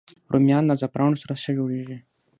رومیان له زعفرانو سره ښه جوړېږي